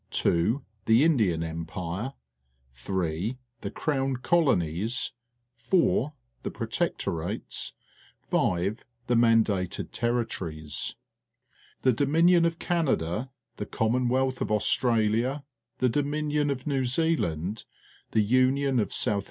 ^.i2)_The Indian Empire, (3) The Cromi Colonies, (4) The Protectorates, (5) The Mandated Territories. The Dominion of Canada, the Common wealth of AustraUa, the Dominion of New Zealand, the LTiuon of South